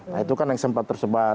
nah itu kan yang sempat tersebar